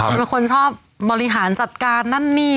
เป็นคนชอบบริหารจัดการนั่นนี่